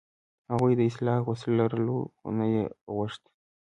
هغوی د اصلاح وس لرلو، خو نه یې غوښت.